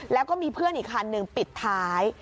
แล้วก็มีเพื่อนอีกคันหนึ่งปิดท้าย